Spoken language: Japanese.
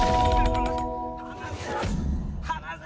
離せ！